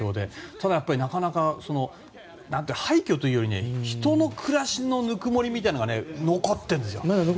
ただ廃虚というよりは人の暮らしのぬくもりみたいなものが残っているんですよ。